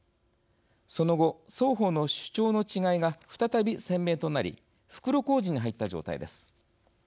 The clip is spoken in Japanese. その後、双方の主張の違いが再び鮮明となり袋小路に入った状態です。